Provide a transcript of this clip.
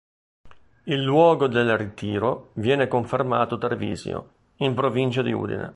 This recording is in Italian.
Il luogo del ritiro viene confermato Tarvisio, in provincia di Udine.